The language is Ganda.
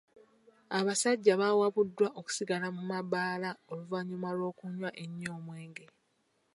Abasajja bawabuddwa okusigala mu mabbaala oluvannyuma lw'okunywa ennyo omwenge.